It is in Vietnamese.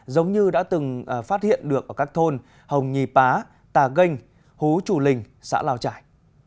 giống như đã từng phát hiện được ở các thôn hồng nhì pá tà gênh hú chủ linh xã lào trải